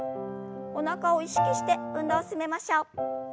おなかを意識して運動を進めましょう。